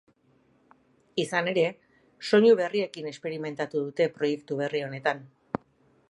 Izan ere, soinu berriekin esperimentatu dute proiektu berri honetan.